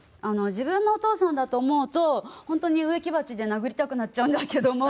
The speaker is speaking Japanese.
自分のお父さんだと思うと本当に植木鉢で殴りたくなっちゃうんだけども。